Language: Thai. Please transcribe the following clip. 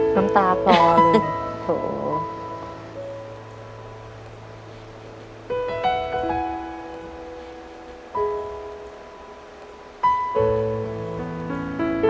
น้ำตาพรโถ่